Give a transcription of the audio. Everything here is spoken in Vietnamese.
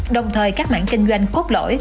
đồng thời các mảng kinh doanh cốt lỗi